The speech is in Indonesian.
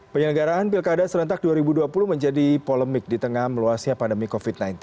penyelenggaraan pilkada serentak dua ribu dua puluh menjadi polemik di tengah meluasnya pandemi covid sembilan belas